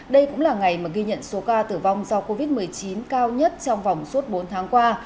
đây cũng là ngày mà ghi nhận số ca tử vong do covid một mươi chín cao nhất trong vòng suốt bốn tháng qua